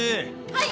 はい！